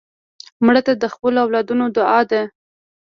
مړه ته د خپلو اولادونو دعا ده